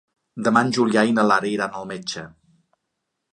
Demà en Julià i na Lara iran al metge.